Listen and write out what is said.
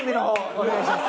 お願いします。